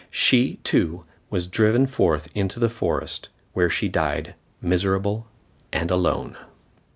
She, too, was driven forth into the forest, where she died miserable and alone.